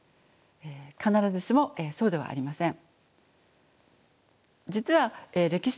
必ずしもそうではありません。